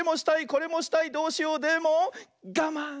これもしたいどうしようでもがまん！